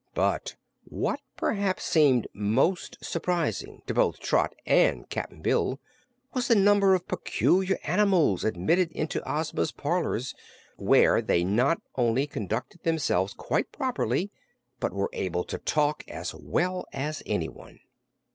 But what perhaps seemed most surprising to both Trot and Cap'n Bill was the number of peculiar animals admitted into Ozma's parlors, where they not only conducted themselves quite properly but were able to talk as well as anyone.